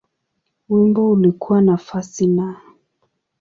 Wimbo ulikuwa nafasi Na.